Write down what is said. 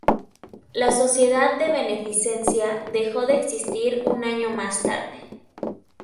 La Sociedad de Beneficencia dejó de existir un año más tarde.